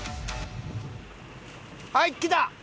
はいきた。